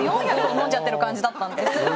飲んじゃってる感じだったんです。